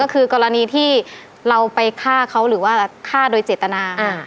ก็คือกรณีที่เราไปฆ่าเขาหรือว่าฆ่าโดยเจตนา